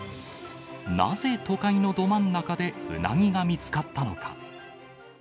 なぜ都会のど真ん中でウナギが見つかったのか。